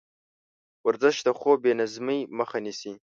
ورزش د خوب بېنظمۍ مخه نیسي.